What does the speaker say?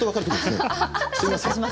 すいません。